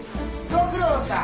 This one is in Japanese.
ご苦労さん。